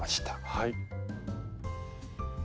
はい。